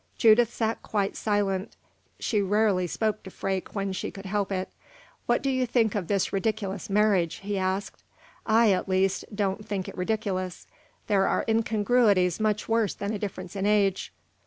Judith sat quite silent. She rarely spoke to Freke when she could help it. "What do you think of this ridiculous marriage?" he asked. "I, at least, don't think it ridiculous. There are incongruities much worse than a difference in age."